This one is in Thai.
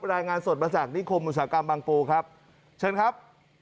รายงานสดมาจากนิคมอุตสาหกรรมบางปูครับเชิญครับ